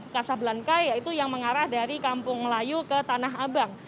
kasablan kaya itu yang mengarah dari kampung melayu ke tanah abang